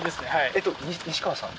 えっと西川さん？